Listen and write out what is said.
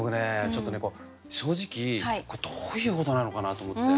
ちょっとね正直これどういうことなのかなと思って。